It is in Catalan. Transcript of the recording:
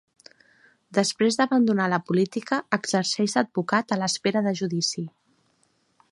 Després d'abandonar la política, exerceix d'advocat, a l'espera de judici.